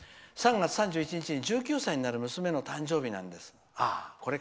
「３月３１日は１９歳になる娘の誕生日なんです。